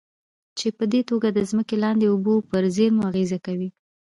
چې پدې توګه د ځمکې لاندې اوبو پر زېرمو اغېز کوي.